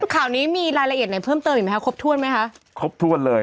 ข่าวนี้มีรายละเอียดไหนเพิ่มเติมอีกไหมคะครบถ้วนไหมคะครบถ้วนเลย